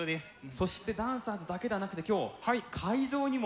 そしてダンサーズだけではなくて今日会場にも。